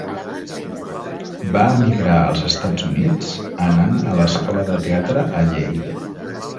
Va emigrar als Estats Units, anant a l'escola de teatre a Yale.